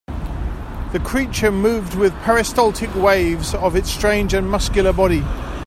The creature moved with peristaltic waves of its strange and muscular body.